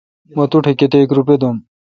مہ تو ٹھ کتیک روپے دوم۔